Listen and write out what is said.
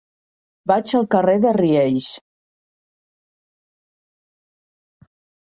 Vaig al carrer de Riells.